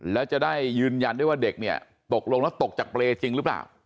แล้วจะได้ยืนยันได้ว่าเด็กเนี่ยตกลงแล้วตกจากเปรย์จริงหรือเปล่า